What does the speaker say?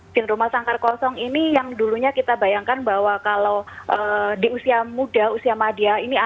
sindroma sangkar kosong ini yang dulunya kita bayangkan bahwa kalau di usia muda usia madia